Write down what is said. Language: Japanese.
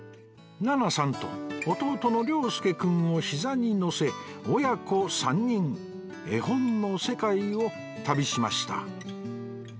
奈々さんと弟の良介くんをひざにのせ親子３人絵本の世界を旅しました